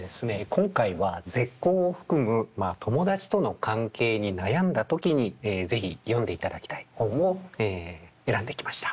今回は絶交を含む友達との関係に悩んだ時に是非読んでいただきたい本を選んできました。